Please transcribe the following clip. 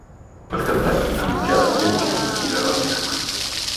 Per Cap d'Any en Miquel i en Quirze iran al cinema.